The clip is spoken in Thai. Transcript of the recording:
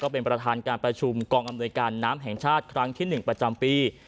เป็นประธานการประชุมกองอำนวยการน้ำแห่งชาติครั้งที่๑ประจำปี